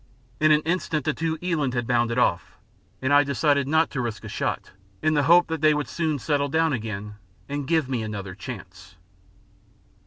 In an instant the two eland had bounded off, and I decided not to risk a shot, in the hope that they would soon settle down again and give me another chance.